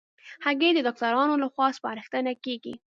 هګۍ د ډاکټرانو له خوا سپارښتنه کېږي.